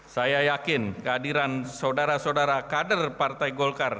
saya yakin kehadiran saudara saudara kader partai golkar